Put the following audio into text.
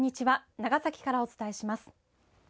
長崎からお伝えします。